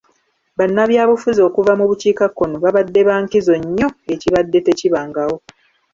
Bannabyabufuzi okuva mu bukiikakkono babadde ba nkizo nnyo ekibadde tekibangawo.